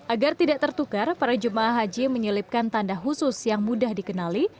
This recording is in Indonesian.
agar tidak tertukar para jemaah haji menyelipkan tanda khusus yang mudah dikenali